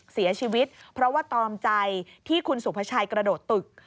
เสียชีวิตเพราะว่าตอมใจที่คุณสุภาชัยกระโดดตึก